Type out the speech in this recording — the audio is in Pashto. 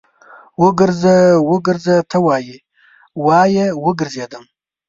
وګرځه، وګرځه ته وايې، وايه وګرځېدم